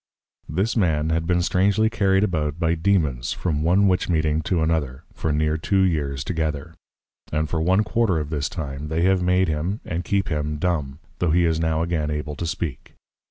This Man has been strangely carried about by Dæmons, from one Witch meeting to another, for near two years together; and for one quarter of this time, they have made him, and keep him Dumb, tho' he is now again able to speak.